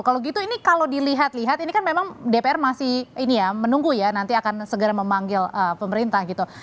kalau gitu ini kalau dilihat lihat ini kan memang dpr masih ini ya menunggu ya nanti akan segera memanggil pemerintah gitu